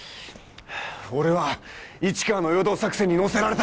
俺は市川の陽動作戦にのせられた！